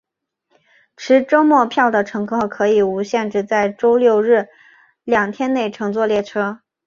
持周末票的乘客可以无限制在周六日两天内乘坐列车。